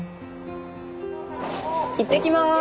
いってきます！